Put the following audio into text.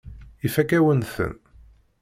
Ifakk-awen-ten.